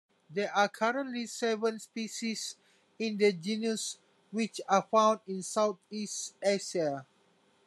There are currently seven species in this genus which are found in Southeast Asia.